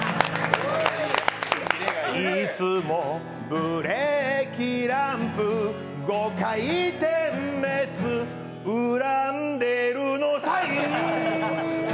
いつも、ブレーキランプ、５回点滅、うらんでるのサイン。